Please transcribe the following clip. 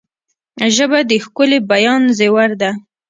ژبه د ښکلي بیان زیور ده